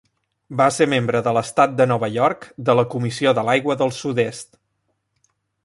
Va ser membre de l'estat de Nova York de la Comissió de l'aigua del sud-est.